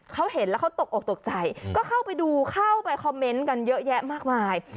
เขาเห็นแล้วเขาตกออกตกใจก็เข้าไปดูเข้าไปคอมเมนต์กันเยอะแยะมากมาย